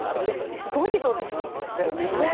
すごく理想的でしたよね、今の。